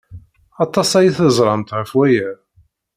Aṭas ay teẓramt ɣef waya.